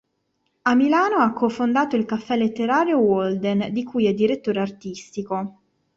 A Milano ha co-fondato il caffè letterario Walden di cui è direttore artistico.